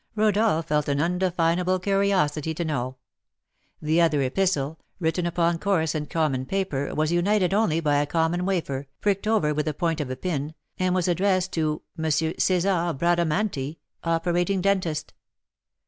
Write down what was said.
Rodolph felt an undefinable curiosity to know. The other epistle, written upon coarse and common paper, was united only by a common wafer, pricked over with the point of a pin, and was addressed to "M. César Bradamanti, Operating Dentist."